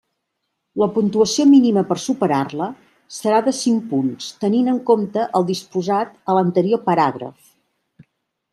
La puntuació mínima per superar-la serà de cinc punts tenint en compte el disposat a l'anterior paràgraf.